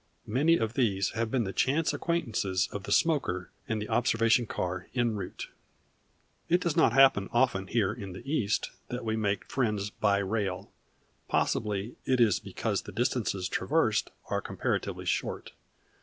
Many of these have been the chance acquaintances of the smoker and the observation car en route. It does not happen often here in the East that we make friends "by rail." Possibly it is because the distances traversed are comparatively short.